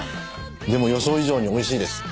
でも予想以上においしいです。